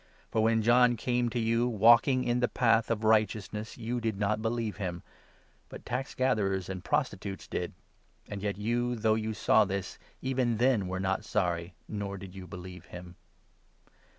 For 32 when John came to you, walking in the path of righteousness, you did not believe him, but tax gatherers and prostitutes did ; and yet you, though you saw this, even then were not sorry, nor did you believe him.